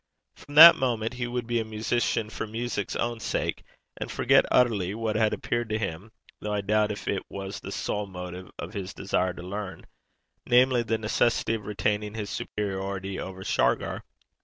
From that moment he would be a musician for music's own sake, and forgot utterly what had appeared to him, though I doubt if it was, the sole motive of his desire to learn namely, the necessity of retaining his superiority over Shargar.